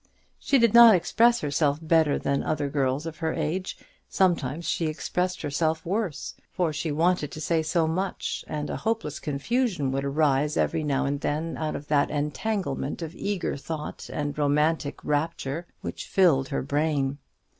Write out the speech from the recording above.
She did not express herself better than other girls of her age; sometimes she expressed herself worse; for she wanted to say so much, and a hopeless confusion would arise every now and then out of that entanglement of eager thought and romantic rapture which filled her brain.